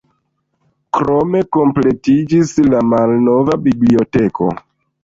Krome kompletiĝis la malnova biblioteko.